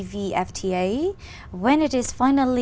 của chúng tôi